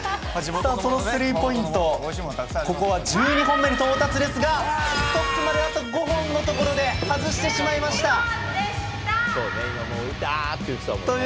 そのスリーポイント１２本目に到達ですがトップまであと５本のところで外してしまいました。